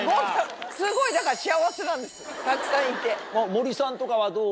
森さんとかはどう？